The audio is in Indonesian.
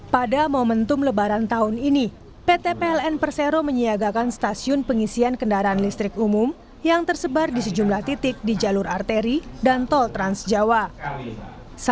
pada momentum lebaran tahun ini pt pln persero menyiagakan stasiun pengisian kendaraan listrik umum yang tersebar di sejumlah titik di jalur arteri dan tol trans jawa